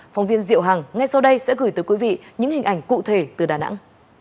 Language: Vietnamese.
phóng viên diệu hằng ngay sau đây sẽ gửi tới quý vị những hình ảnh cụ thể từ đà nẵng